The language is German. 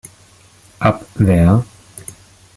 Ab Ver.